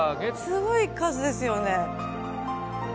すごい数ですよね。